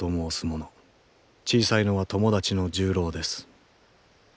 小さいのは友達の重郎です。